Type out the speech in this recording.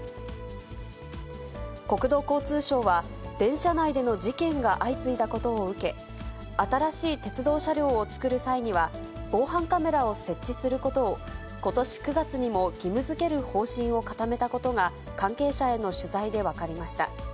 国土交通省は、電車内での事件が相次いだことを受け、新しい鉄道車両を造る際には防犯カメラを設置することを、ことし９月にも義務づける方針を固めたことが、関係者への取材で分かりました。